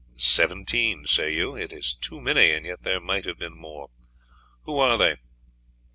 Seventeen, say you? It is too many; and yet there might have been more. Who are they?"